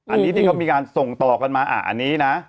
อันนี้ที่เขามีการส่งต่อกันมาอันนี้นะ